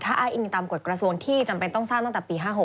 ถ้าอ้างอิงตามกฎกระทรวงที่จำเป็นต้องสร้างตั้งแต่ปี๕๖